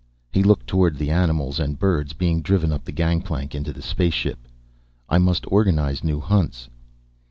He looked toward the animals and birds being driven up the gangplank into the spaceship. "I must organize new hunts."